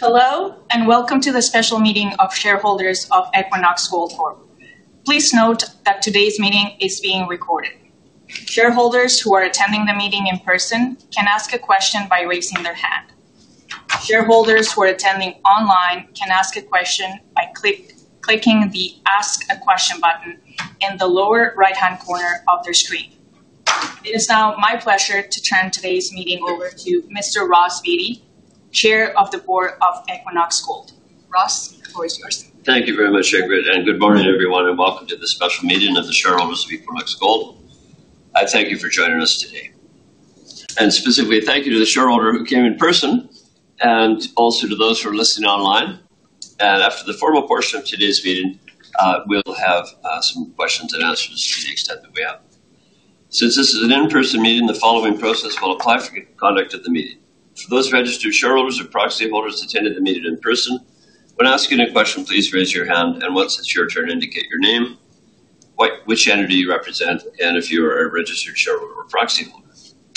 Hello, welcome to the special meeting of shareholders of Equinox Gold Corp. Please note that today's meeting is being recorded. Shareholders who are attending the meeting in person can ask a question by raising their hand. Shareholders who are attending online can ask a question by clicking the Ask a Question button in the lower right-hand corner of their screen. It is now my pleasure to turn today's meeting over to Mr. Ross Beaty, Chair of the Board of Equinox Gold. Ross, the floor is yours. Thank you very much, Ingrid. Good morning everyone, welcome to the special meeting of the shareholders of Equinox Gold. I thank you for joining us today, specifically thank you to the shareholder who came in person, also to those who are listening online. After the formal portion of today's meeting, we'll have some questions and answers to the extent that we have. Since this is an in-person meeting, the following process will apply for the conduct of the meeting. For those registered shareholders or proxy holders attending the meeting in person, when asking a question, please raise your hand, once it's your turn, indicate your name, which entity you represent, and if you are a registered shareholder or proxy holder.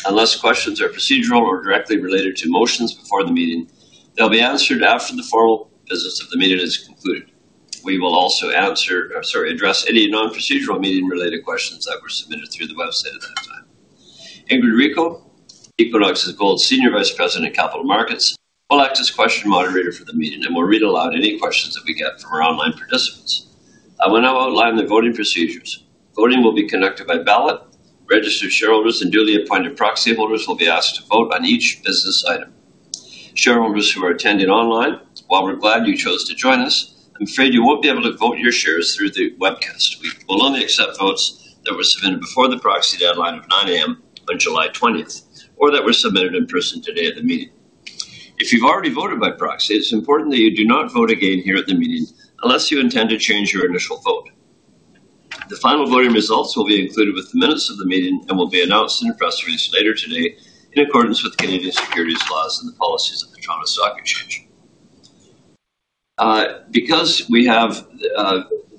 Unless questions are procedural or directly related to motions before the meeting, they'll be answered after the formal business of the meeting is concluded. We will also address any non-procedural meeting-related questions that were submitted through the website at that time. Ingrid Rico, Equinox Gold's Senior Vice President of Capital Markets, will act as question moderator for the meeting and will read aloud any questions that we get from our online participants. I will now outline the voting procedures. Voting will be conducted by ballot. Registered shareholders and duly appointed proxy holders will be asked to vote on each business item. Shareholders who are attending online, while we're glad you chose to join us, I'm afraid you won't be able to vote your shares through the webcast. We will only accept votes that were submitted before the proxy deadline of 9:00 A.M. on July 20th or that were submitted in person today at the meeting. If you've already voted by proxy, it's important that you do not vote again here at the meeting unless you intend to change your initial vote. The final voting results will be included with the minutes of the meeting and will be announced in a press release later today in accordance with Canadian securities laws and the policies of the Toronto Stock Exchange. Because we have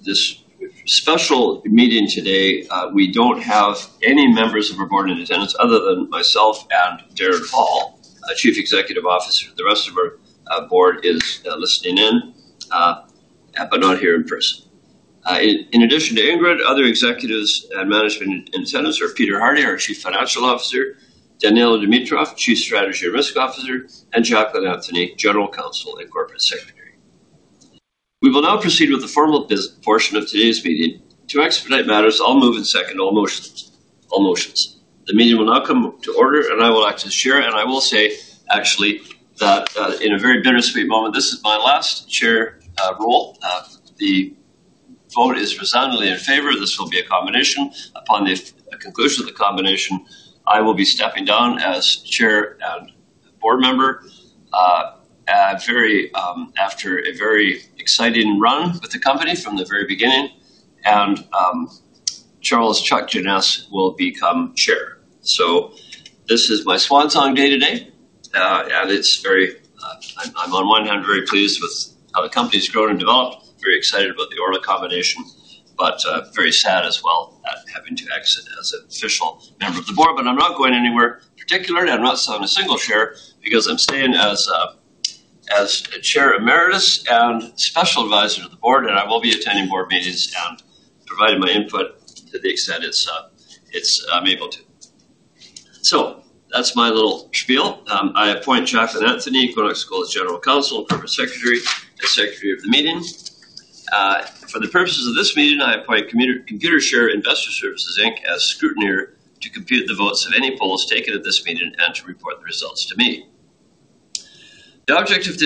this special meeting today, we don't have any members of our board in attendance other than myself and Darren Hall, our Chief Executive Officer. The rest of our board is listening in, but not here in person. In addition to Ingrid, other executives and management in attendance are Peter Hardie, our Chief Financial Officer, Daniella Dimitrov, Chief Strategy & Risk Officer, and Jacqlin Anthony, General Counsel and Corporate Secretary. We will now proceed with the formal portion of today's meeting. To expedite matters, I'll move and second all motions. The meeting will now come to order. I will act as chair, and I will say actually that, in a very bittersweet moment, this is my last chair role. The vote is resoundingly in favor. This will be a combination. Upon the conclusion of the combination, I will be stepping down as chair and board member after a very exciting run with the company from the very beginning. Charles Chuck Jeannes will become chair. This is my swan song day today. I'm on one hand very pleased with how the company's grown and developed, very excited about the Orla combination, but very sad as well at having to exit as an official member of the board. I'm not going anywhere, particularly I'm not selling a single share because I'm staying as a chair emeritus and special advisor to the board, and I will be attending board meetings and providing my input to the extent I'm able to. That's my little spiel. I appoint Jacqlin Anthony, Equinox Gold's general counsel and corporate secretary, as secretary of the meeting. For the purposes of this meeting, I appoint Computershare Investor Services Inc. as scrutineer to compute the votes of any polls taken at this meeting and to report the results to me. The objectives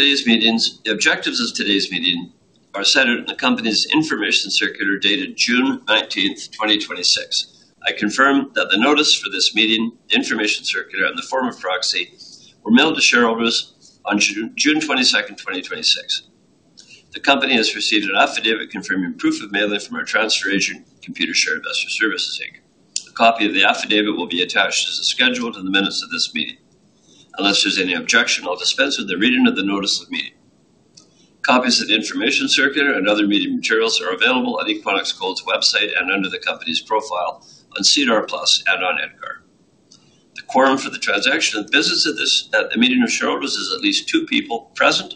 of today's meeting are set out in the company's information circular dated June 19th, 2026. I confirm that the notice for this meeting, information circular in the form of proxy, were mailed to shareholders on June 22nd, 2026. The company has received an affidavit confirming proof of mailing from our transfer agent, Computershare Investor Services Inc. A copy of the affidavit will be attached as a schedule to the minutes of this meeting. Unless there's any objection, I'll dispense with the reading of the notice of meeting. Copies of the information circular and other meeting materials are available on Equinox Gold's website and under the company's profile on SEDAR+ and on EDGAR. The quorum for the transaction of business at the meeting of shareholders is at least two people present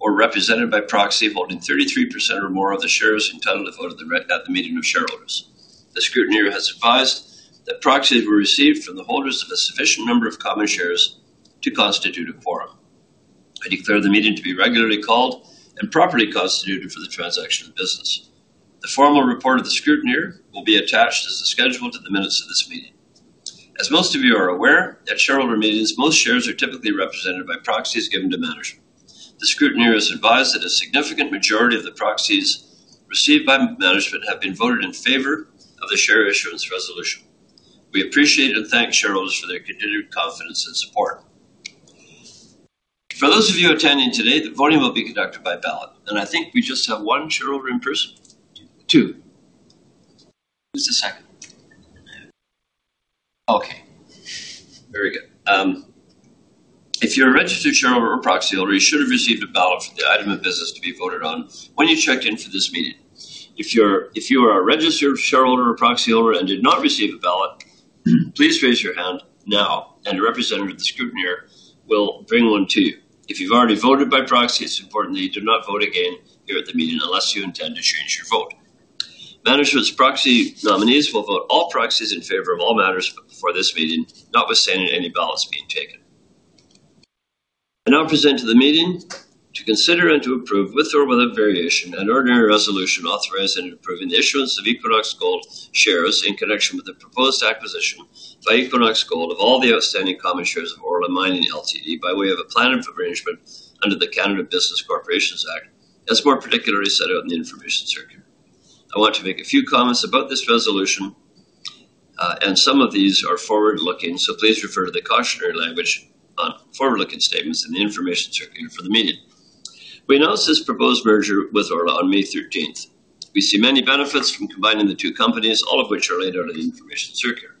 or represented by proxy holding 33% or more of the shares entitled to vote at the meeting of shareholders. The scrutineer has advised that proxies were received from the holders of a sufficient number of common shares to constitute a quorum. I declare the meeting to be regularly called and properly constituted for the transaction of business. The formal report of the scrutineer will be attached as a schedule to the minutes of this meeting. As most of you are aware, at shareholder meetings, most shares are typically represented by proxies given to management. The scrutineer has advised that a significant majority of the proxies received by management have been voted in favor of the share issuance resolution. We appreciate and thank shareholders for their continued confidence and support. For those of you attending today, the voting will be conducted by ballot. I think we just have one shareholder in person. Two. Who's the second? Okay. Very good. If you're a registered shareholder or proxyholder, you should have received a ballot for the item of business to be voted on when you checked in for this meeting. If you are a registered shareholder or proxyholder and did not receive a ballot, please raise your hand now and a representative of the scrutineer will bring one to you. If you've already voted by proxy, it's important that you do not vote again here at the meeting unless you intend to change your vote. Management's proxy nominees will vote all proxies in favor of all matters before this meeting, notwithstanding any ballots being taken. I now present to the meeting to consider and to approve with or without variation, an ordinary resolution authorizing and approving the issuance of Equinox Gold shares in connection with the proposed acquisition by Equinox Gold of all the outstanding common shares of Orla Mining Ltd., by way of a plan of arrangement under the Canada Business Corporations Act, as more particularly set out in the information circular. I want to make a few comments about this resolution. Some of these are forward-looking, so please refer to the cautionary language on forward-looking statements in the information circular for the meeting. We announced this proposed merger with Orla on May 13th. We see many benefits from combining the two companies, all of which are laid out in the information circular.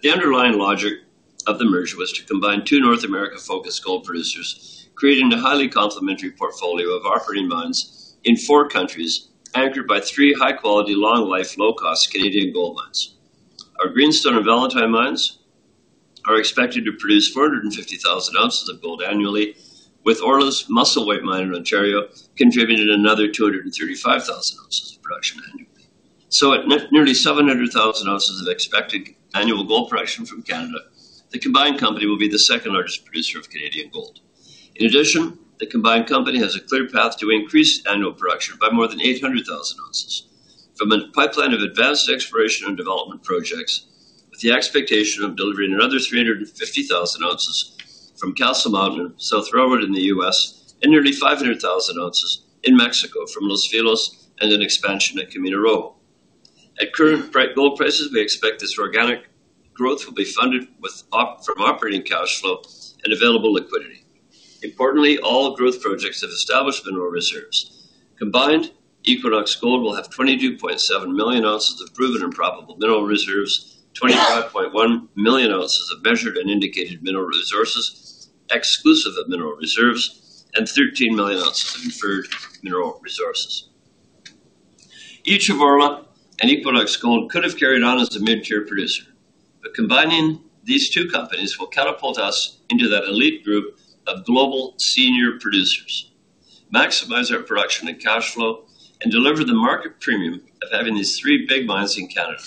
The underlying logic of the merger was to combine two North America-focused gold producers, creating a highly complementary portfolio of operating mines in four countries, anchored by three high-quality, long-life, low-cost Canadian gold mines. Our Greenstone and Valentine mines are expected to produce 450,000 oz of gold annually, with Orla's Musselwhite Mine in Ontario contributing another 235,000 oz of production annually. At nearly 700,000 oz of expected annual gold production from Canada, the combined company will be the second largest producer of Canadian gold. In addition, the combined company has a clear path to increase annual production by more than 800,000oz from a pipeline of advanced exploration and development projects, with the expectation of delivering another 350,000 oz from Castle Mountain, South Railroad in the U.S., and nearly 500,000 oz in Mexico from Los Filos and an expansion at Camino Rojo. At current gold prices, we expect this organic growth will be funded from operating cash flow and available liquidity. Importantly, all growth projects have established mineral reserves. Combined, Equinox Gold will have 22.7 million ounces of proven and probable mineral reserves, 25.1 million ounces of measured and indicated mineral resources exclusive of mineral reserves, and 13 million ounces of inferred mineral resources. Each of Orla and Equinox Gold could have carried on as the mid-tier producer. Combining these two companies will catapult us into that elite group of global senior producers, maximize our production and cash flow, and deliver the market premium of having these three big mines in Canada.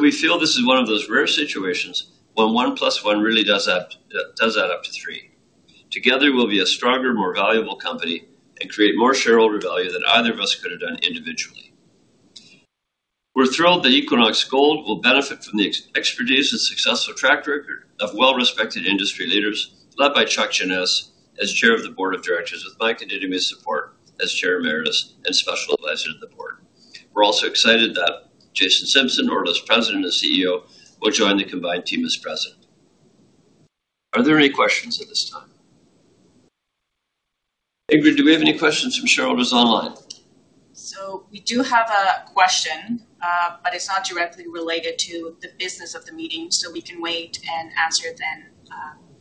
We feel this is one of those rare situations when one plus one really does add up to three. Together, we'll be a stronger, more valuable company and create more shareholder value than either of us could have done individually. We're thrilled that Equinox Gold will benefit from the expertise and successful track record of well-respected industry leaders, led by Chuck Jeannes as chair of the board of directors, with my continued support as chair emeritus and special advisor to the board. We're also excited that Jason Simpson, Orla's President and CEO, will join the combined team as President. Are there any questions at this time? Ingrid, do we have any questions from shareholders online? We do have a question, but it's not directly related to the business of the meeting, so we can wait and answer it then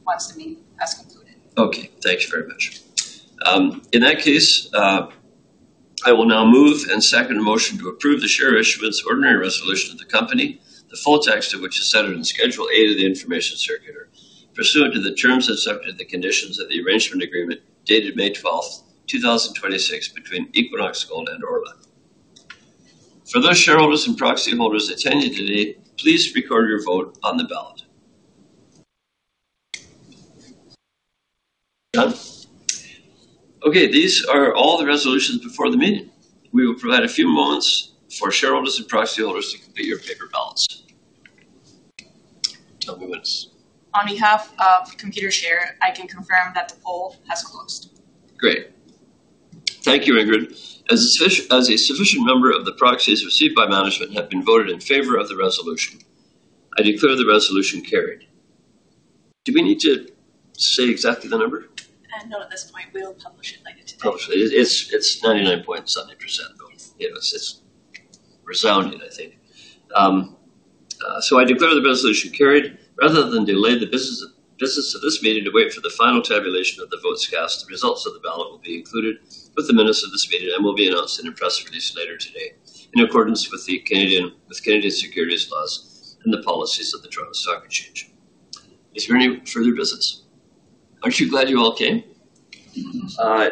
once the meeting has concluded. Okay, thanks very much. In that case, I will now move and second a motion to approve the share issuance ordinary resolution of the company, the full text of which is set out in Schedule A of the information circular pursuant to the terms and subject to the conditions of the arrangement agreement dated May 12th, 2026, between Equinox Gold and Orla. For those shareholders and proxy holders attending today, please record your vote on the ballot. Done? Okay, these are all the resolutions before the meeting. We will provide a few moments for shareholders and proxy holders to complete your paper ballots. A few moments. On behalf of Computershare, I can confirm that the poll has closed. Great. Thank you, Ingrid. As a sufficient number of the proxies received by management have been voted in favor of the resolution, I declare the resolution carried. Do we need to say exactly the number? Not at this point. We'll publish it later today. Publish it. It's 99.7% though. Yes. It's resounding, I think. I declare the resolution carried rather than delay the business of this meeting to wait for the final tabulation of the votes cast. The results of the ballot will be included with the minutes of this meeting and will be announced in a press release later today in accordance with Canadian securities laws and the policies of the Toronto Stock Exchange. Is there any further business? Aren't you glad you all came?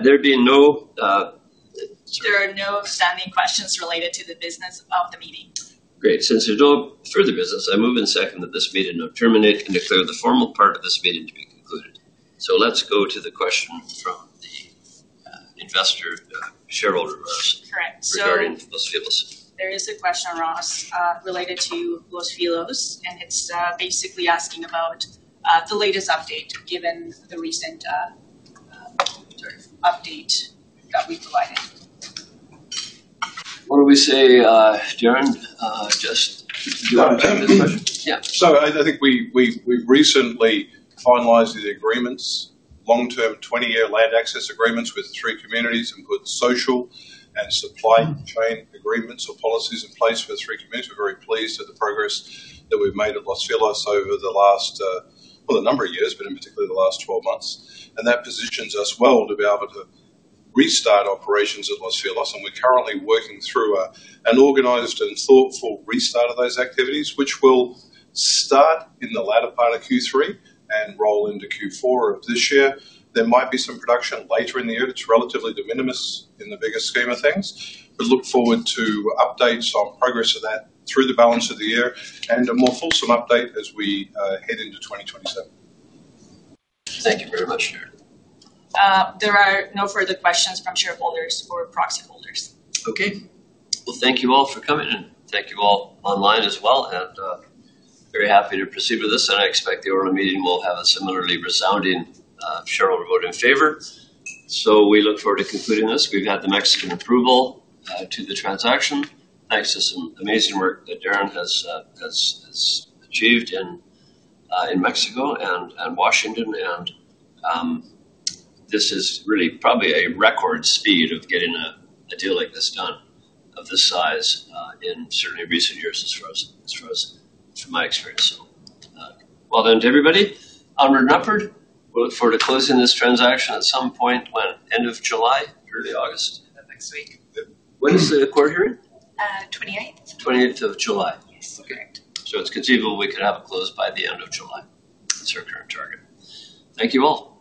There are no outstanding questions related to the business of the meeting. Great. Since there's no further business, I move and second that this meeting now terminate and declare the formal part of this meeting to be concluded. Let's go to the question from the investor shareholders. Correct Regarding Los Filos. There is a question, Ross, related to Los Filos, and it's basically asking about the latest update given the recent sort of update that we provided. What do we say, Darren? Do you want me to take this question? Yeah. I think we've recently finalized the agreements, long-term 20-year land access agreements with the three communities and put social and supply chain agreements or policies in place with the three communities. We're very pleased at the progress that we've made at Los Filos over the last, well, a number of years, but in particular the last 12 months. That positions us well to be able to restart operations at Los Filos, and we're currently working through an organized and thoughtful restart of those activities, which will start in the latter part of Q3 and roll into Q4 of this year. There might be some production later in the year. It's relatively de minimis in the bigger scheme of things. We look forward to updates on progress of that through the balance of the year and a more fulsome update as we head into 2027. Thank you very much, Darren. There are no further questions from shareholders or proxy holders. Okay. Well, thank you all for coming, and thank you all online as well, and very happy to proceed with this. I expect the Orla meeting will have a similarly resounding shareholder vote in favor. We look forward to concluding this. We've had the Mexican approval to the transaction. Thanks to some amazing work that Darren has achieved in Mexico and Washington, and this is really probably a record speed of getting a deal like this done of this size in certainly recent years from my experience. Well done to everybody. Conrad Nuppert, we look forward to closing this transaction at some point when? End of July, early August. Next week. When is the court hearing? 28th. 28th of July. Yes. Correct. It's conceivable we could have it closed by the end of July. That's our current target. Thank you all.